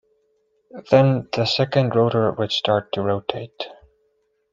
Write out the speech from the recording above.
Then the second rotor would start to rotate.